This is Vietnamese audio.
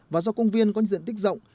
và do công viên có diện tích rộng